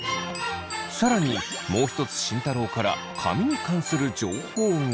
更にもう一つ慎太郎から髪に関する情報が！